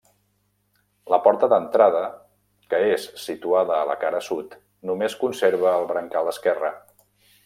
La porta d'entrada, que és situada a la cara sud, només conserva el brancal esquerre.